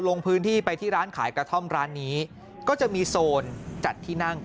ลงพื้นที่ไปที่ร้านขายกระท่อมร้านนี้ก็จะมีโซนจัดที่นั่ง